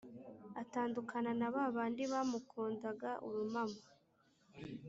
atandukana na ba bandi bamukundaga urumamo